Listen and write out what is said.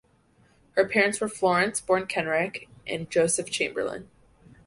Her parents were Florence (born Kenrick) and Joseph Chamberlain.